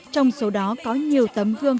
trong số đó có nhiều tấm gương